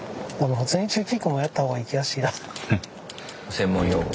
専門用語。